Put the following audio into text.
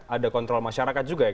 ada kontrol masyarakat juga